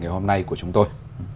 ngày hôm nay của chúng tôi